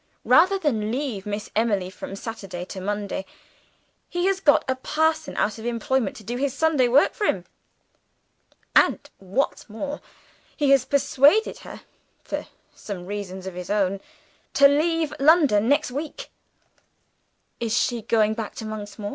Rather than leave Miss Emily from Saturday to Monday, he has got a parson out of employment to do his Sunday work for him. And, what's more, he has persuaded her (for some reasons of his own) to leave London next week." "Is she going back to Monksmoor?"